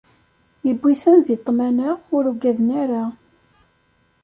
Iwwi-ten di ṭṭmana, ur uggaden ara.